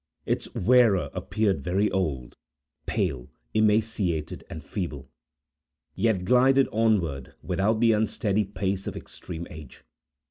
Its wearer appeared very old, pale, emaciated, and feeble, yet glided onward, without the unsteady pace of extreme age.